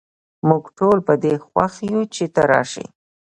موږ ټول په دي خوښ یو چې ته راشي